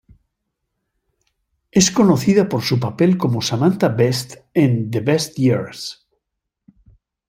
Es conocida por su papel como Samantha Best en "The Best Years".